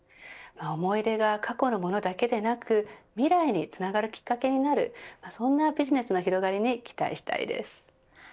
思い出が過去のものだけでなく未来につながるきっかけになるそんなビジネスの広がりに期待したいです。